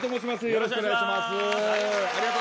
よろしくお願いします。